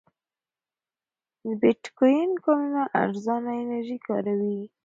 د بېټکوین کانونه ارزانه انرژي کاروي.